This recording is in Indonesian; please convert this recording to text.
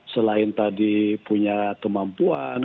selain tadi punya kemampuan